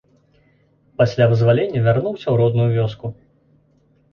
Пасля вызвалення вярнуўся ў родную вёску.